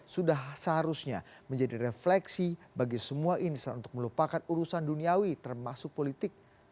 sudah seharusnya menjadi refleksi bagi semua insan untuk melupakan urusan duniawi termasuk politik